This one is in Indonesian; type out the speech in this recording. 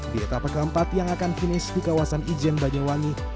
di etapa keempat yang akan finish di kawasan ijen banyuwangi